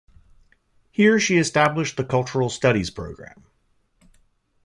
Here she established the Cultural Studies program.